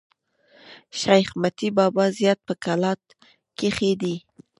شېخ متي بابا زیارت په کلات کښي دﺉ.